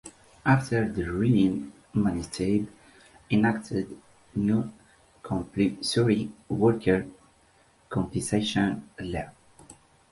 After the ruling many states enacted new compulsory workers' compensation laws.